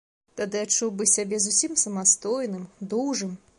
Тады адчуў бы сябе зусім самастойным, дужым.